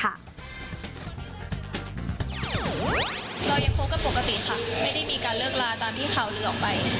เรายังคบกันปกติค่ะไม่ได้มีการเลิกลาตามที่ข่าวลือออกไป